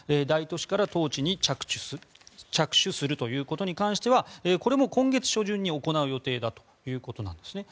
大都市から統治に着手するということに関してはこれも今月初旬に行う予定だということです。